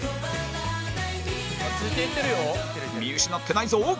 見失ってないぞ！